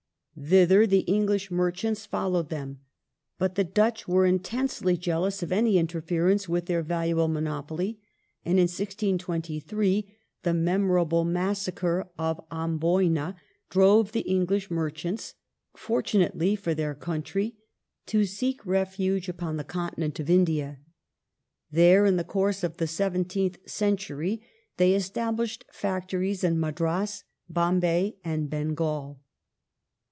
Thither the English merchants followed them ; but the Dutch were intensely jealous of any interference with their valuable monopoly, and in 1623 the memorable massacre of Amboyna drove the English merchants — fortunately for their country — to seek refuge upon the continent of India. There in the course of the seventeenth century they established factories in Madras, Bombay, and Bengal.